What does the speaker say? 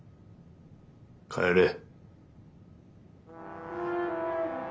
帰れ。